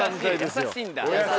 優しいんだ。